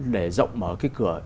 để rộng mở cái cửa